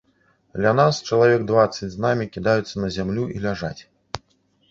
Ля нас чалавек дваццаць з намі, кідаюцца на зямлю і ляжаць.